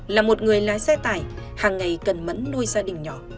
là một người lái xe tải hàng ngày cần mẫn nuôi gia đình nhỏ